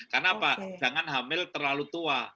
karena apa jangan hamil terlalu tua